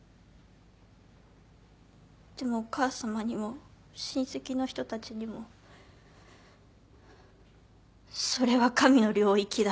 でもお母さまにも親戚の人たちにも「それは神の領域だ」